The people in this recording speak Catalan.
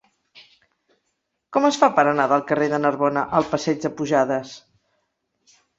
Com es fa per anar del carrer de Narbona al passeig de Pujades?